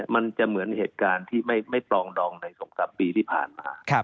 มันจะเหมือนเหตุการณ์ที่ไม่ปรองดองใน๒๓ปีที่ผ่านมา